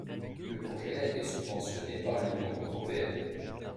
Le projet a été subventionné par l'Union européenne.